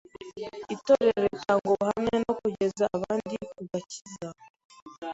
itorero ritanga ubuhamya no kugeza abandi ku gakiza